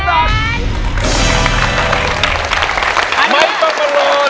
ไมค์ป๊อปปะโลอีลาเกงเพิง